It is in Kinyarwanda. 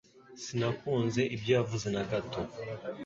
Sinakunze ibyo yavuze na gato